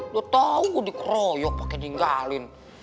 lo tau gue dikeroyok pake ninggalin